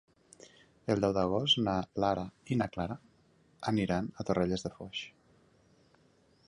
El deu d'agost na Lara i na Clara aniran a Torrelles de Foix.